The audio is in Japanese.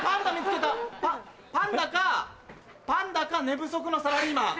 パンダかパンダか寝不足のサラリーマン。